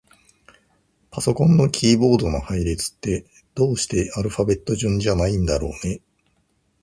パソコンのキーボードの配列って、どうしてアルファベット順じゃないんだろうね。